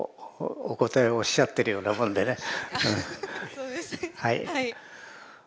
そうですねはい。